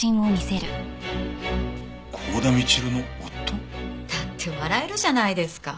幸田みちるの夫？だって笑えるじゃないですか。